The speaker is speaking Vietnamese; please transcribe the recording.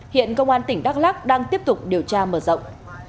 hiện công an tỉnh đắk lắc đang tiếp tục điều tra mở rộng